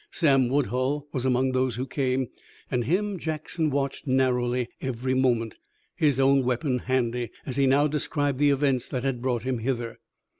Sam Woodhull was among those who came, and him Jackson watched narrowly every moment, his own weapon handy, as he now described the events that had brought him hither.